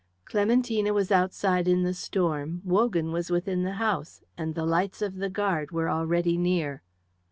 Clementina was outside in the storm; Wogan was within the house, and the lights of the guard were already near.